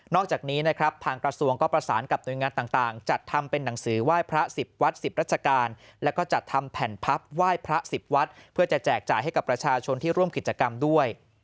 จากนี้นะครับทางกระทรวงก็ประสานกับหน่วยงานต่างจัดทำเป็นหนังสือไหว้พระ๑๐วัด๑๐ราชการแล้วก็จัดทำแผ่นพับไหว้พระ๑๐วัดเพื่อจะแจกจ่ายให้กับประชาชนที่ร่วมกิจกรรมด้วย